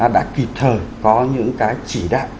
đã kịp thời có những cái chỉ đạo